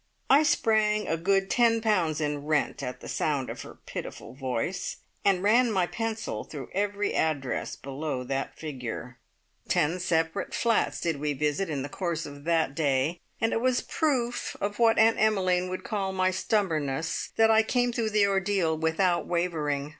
I sprang a good ten pounds in rent at the sound of her pitiful voice, and ran my pencil through every address below that figure. Ten separate flats did we visit in the course of that day, and it was a proof of what Aunt Emmeline would call my stubbornness that I came through the ordeal without wavering.